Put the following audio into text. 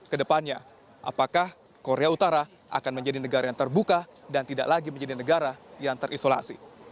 kedepannya apakah korea utara akan menjadi negara yang terbuka dan tidak lagi menjadi negara yang terisolasi